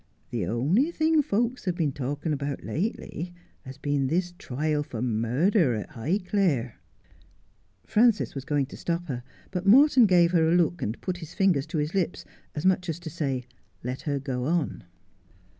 The only thing folks have been talking about lately has been this trial for murder at Highclere.' Frances was going to stop her, but Morton gave her a look and put his finger to his lips, as much as to say, ' Let her go on.'